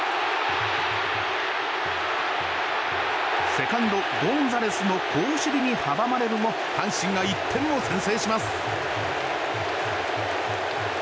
セカンド、ゴンザレスの好守備に阻まれるも阪神が１点を先制します。